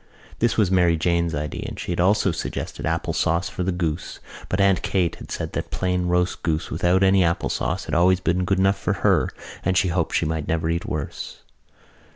This was Mary Jane's idea and she had also suggested apple sauce for the goose but Aunt Kate had said that plain roast goose without any apple sauce had always been good enough for her and she hoped she might never eat worse.